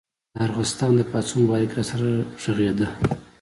د ارغستان د پاڅون په باره کې راسره غږېده.